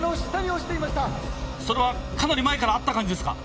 それはかなり前からあった感じですか？